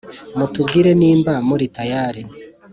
mutubwire nimba muri tayali